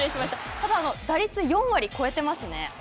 ただ、打率４割超えていますね。